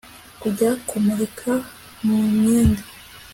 Kujya kumurika mu mwenda